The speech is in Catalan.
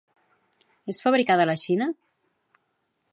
Es fabricada a la Xina?